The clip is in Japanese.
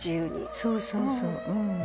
そうそうそううん。